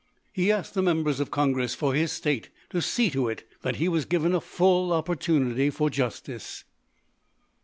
He asked the members of Congress for his state to see to it that he was given a full opportunity for justice.